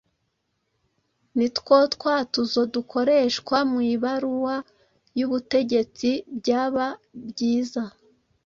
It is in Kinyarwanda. ni two twatuzo dukoreshwa mu ibaruwa y’ubutegetsi. Byaba byiza